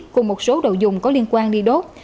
cùng một số đồ dùng có liên quan đi đốt